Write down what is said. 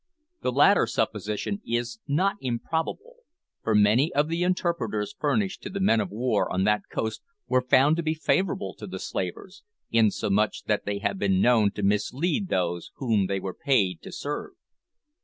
The latter supposition is not improbable, for many of the interpreters furnished to the men of war on that coast were found to be favourable to the slavers, insomuch that they have been known to mislead those whom they were paid to serve.